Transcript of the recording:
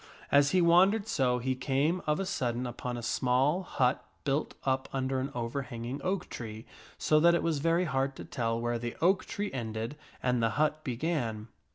As he wandered so, he came of a sudden upon a small hut built up under an overhanging oak tree so that it was very hard to tell where the oak tree ended and the hut began.